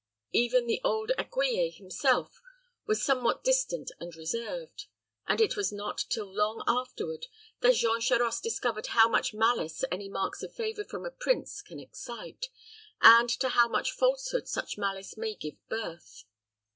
Even the old écuyer himself was somewhat distant and reserved; and it was not till long afterward that Jean Charost discovered how much malice any marks of favor from a prince can excite, and to how much falsehood such malice may give birth.